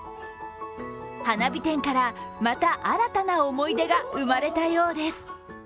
花火店からまた新たな思い出が生まれたようです。